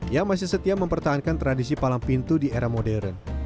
yang masih setia mempertahankan tradisi palang pintu di era modern